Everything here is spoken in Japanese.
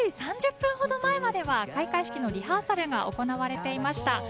３０分ほど前まで開会式のリハーサルが行われていました。